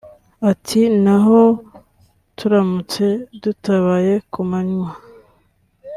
Ati “Naho turamutse dutabaye ku manywa